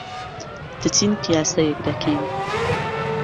دەچین پیاسەیەک دەکەین.